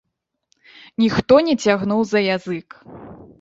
Ніхто не цягнуў за язык.